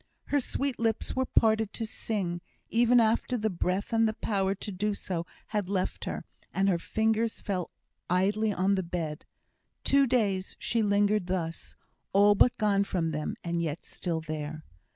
Her sweet lips were parted to sing, even after the breath and the power to do so had left her, and her fingers fell idly on the bed. Two days she lingered thus all but gone from them, and yet still there.